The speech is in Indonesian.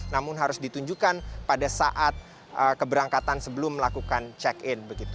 namun harus ditunjukkan pada saat keberangkatan sebelum melakukan check in